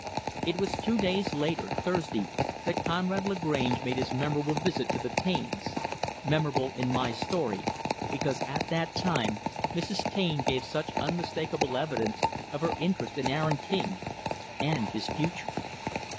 It was two days later Thursday that Conrad Lagrange made his memorable visit to the Taines memorable, in my story, because, at that time, Mrs. Taine gave such unmistakable evidence of her interest in Aaron King and his future.